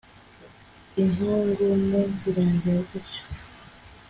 intugunda zirangira gutyo